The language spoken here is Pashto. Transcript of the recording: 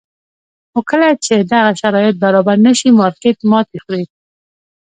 خو کله چې دغه شرایط برابر نه شي مارکېټ ماتې خوري.